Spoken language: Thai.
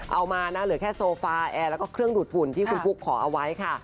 เอามานะเหลือแค่โซฟาแอร์แล้วก็เครื่องดูดฝุ่นที่คุณฟุ๊กขอเอาไว้ค่ะ